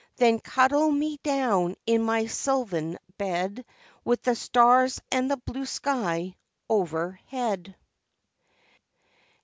Then cuddle me down in my sylvan bed, With the stars and the blue sky overhead.